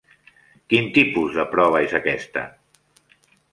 Quin tipus de prova és aquesta?